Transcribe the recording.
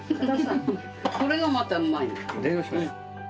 それがまたうまいんだ。